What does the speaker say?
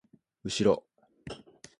うしろ！